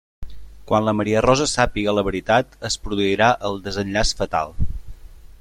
Quan la Maria Rosa sàpiga la veritat es produirà el desenllaç fatal.